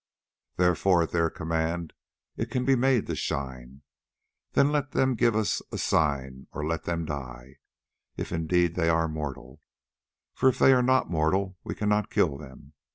Therefore at their command it can be made to shine. Then let them give us a sign or let them die, if indeed they are mortal, for if they are not mortal we cannot kill them.